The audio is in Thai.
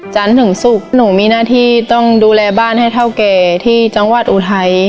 จันทร์ถึงศุกร์หนูมีหน้าที่ต้องดูแลบ้านให้เท่าแก่ที่จังหวัดอุทัย